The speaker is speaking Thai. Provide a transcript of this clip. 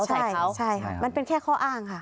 ใช่ค่ะมันเป็นแค่ข้ออ้างค่ะ